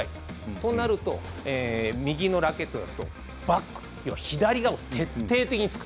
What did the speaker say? となると、右のラケットですとバック、左側を徹底的につく。